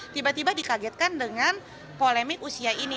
tiba tiba dikagetkan dengan polemik usia ini